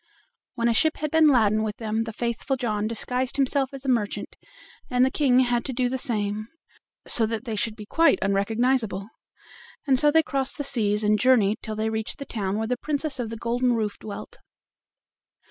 When a ship had been laden with them the faithful John disguised himself as a merchant, and the King had to do the same, so that they should be quite unrecognizable. And so they crossed the seas and journeyed till they reached the town where the Princess of the Golden Roof dwelt.